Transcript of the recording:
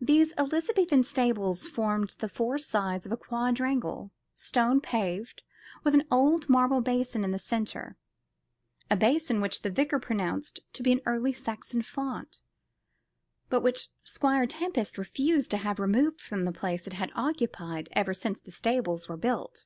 These Elizabethan stables formed the four sides of a quadrangle, stone paved, with an old marble basin in the centre a basin which the Vicar pronounced to be an early Saxon font, but which Squire Tempest refused to have removed from the place it had occupied ever since the stables were built.